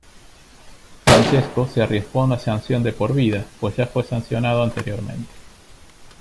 Francesco se arriesgó a una sanción de por vida pues ya fue sancionado anteriormente.